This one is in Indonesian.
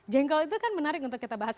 jengkol itu kan menarik untuk kita bahas